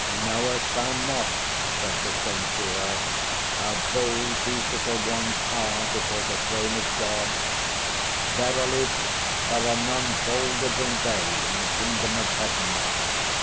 'Knowest thou not,' said the saint to her, 'how bold these little ones are before the throne of God? Verily there are none bolder than they in the Kingdom of Heaven.